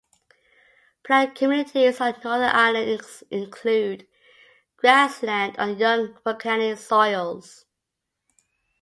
Plant communities on the northern islands include grassland on young volcanic soils.